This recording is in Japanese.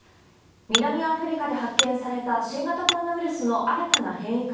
南アフリカで発見された新型コロナウイルスの新たな変異株。